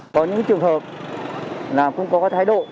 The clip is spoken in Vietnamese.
có những trường hợp là cũng có thái độ